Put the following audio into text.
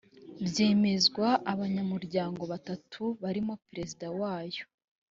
byemezwa abanyamuryango batatu barimo perezida wayo